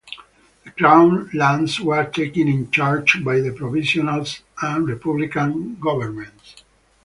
The crown lands were taken in charge by the provisional and republican governments.